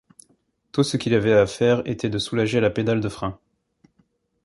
Tout ce qu'il avait à faire était de soulager la pédale de frein.